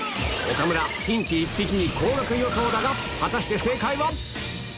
岡村きんき１匹に高額予想だが果たして正解は？